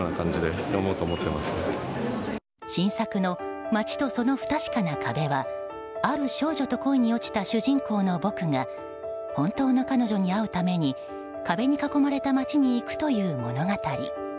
新作の「街とその不確かな壁」はある少女と恋に落ちた主人公の僕が本当の彼女に会うために壁に囲まれた街に行くという物語。